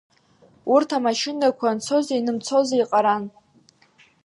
Урҭ ама-шьынақәа анцози ианымцози еиҟаран.